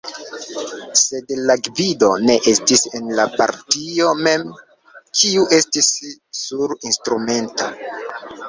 Sed la gvido ne estis en la partio mem, kiu estis nur instrumento.